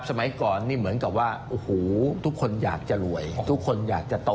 สมัยก่อนนี่เหมือนกับว่าโอ้โหทุกคนอยากจะรวยทุกคนอยากจะโต